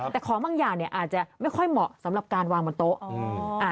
แต่ของบางอย่างเนี่ยอาจจะไม่ค่อยเหมาะสำหรับการวางบนโต๊ะ